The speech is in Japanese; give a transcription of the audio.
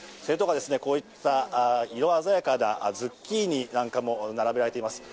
こういった色鮮やかなズッキーニなんかも並べられています。